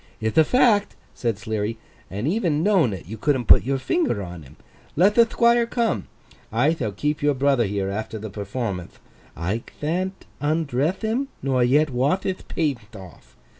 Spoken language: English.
'Ith a fact,' said Sleary, 'and even knowin' it, you couldn't put your finger on him. Let the Thquire come. I thall keep your brother here after the performanth. I thant undreth him, nor yet wath hith paint off.